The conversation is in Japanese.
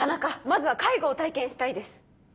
まずは介護を体験したいです。